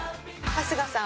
春日さん